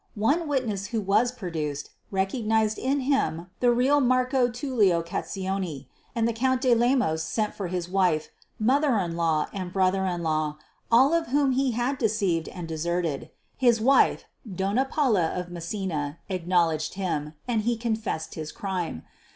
One witness who was produced, recognized in him the real Marco Tullio Catizzone, and Count de Lemos sent for his wife, mother in law and brother in law, all of whom he had deceived and deserted. His wife, Donna Paula of Messina, acknowledged him; and he confessed his crime.